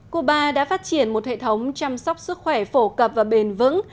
cuba đã phát triển một hệ thống chăm sóc sức khỏe phổ cập và bền vững